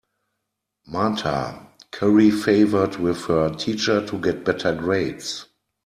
Marta curry favored with her teacher to get better grades.